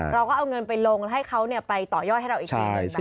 เราก็เอาเงินไปลงให้เขาไปต่อย่อดให้เราอีกกินเงิน